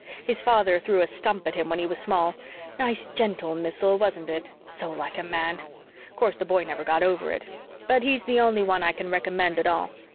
His father threw a stump at him when he was small. "Nice gentle missile, wasn't it? So like a man! Course, the boy never got over it. But he's the only one I can recommend at all.